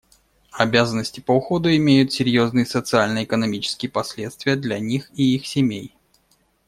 Обязанности по уходу имеют серьезные социально-экономические последствия для них и их семей.